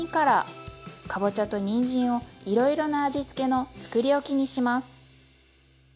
かぼちゃとにんじんをいろいろな味付けのつくりおきにします。